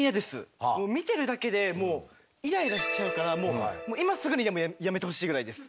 見てるだけでイライラしちゃうから今すぐにでもやめてほしいぐらいです。